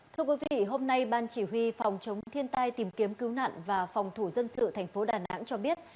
thưa quý vị hôm nay ban chỉ huy phòng chống thiên tai tìm kiếm cứu nạn và phòng thủ dân sự thành phố đà nẵng cho biết